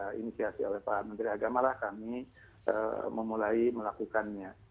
dari inisiasi oleh pak menteri agamalah kami memulai melakukannya